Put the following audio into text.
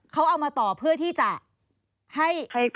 เขาเอามาต่อเพื่อที่จะให้